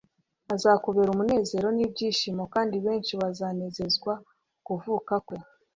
Azakubera umunezero n'ibyishimo, kandi benshi bazanezererwa ukuvuka kwe.